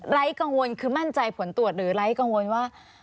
กังวลคือมั่นใจผลตรวจหรือไร้กังวลว่า